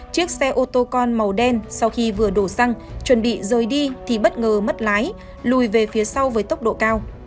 chiếc xe ô tô con màu đen sau khi vừa đổ xăng chuẩn bị rời đi thì bất ngờ mất lái lùi về phía sau với tốc độ cao